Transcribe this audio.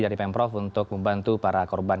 dari pemprov untuk membantu para korban